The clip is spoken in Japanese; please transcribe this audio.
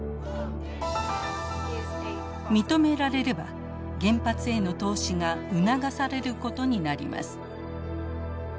認められれば原発への投資が促されることになります。